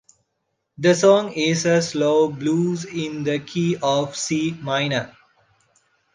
The song is a slow blues in the key of C minor.